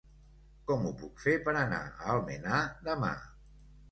Com ho puc fer per anar a Almenar demà?